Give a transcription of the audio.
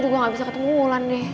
gue gak bisa ketemu wulan deh